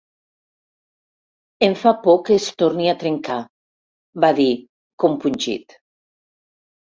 Em fa por que es torni a trencar —va dir, compungit.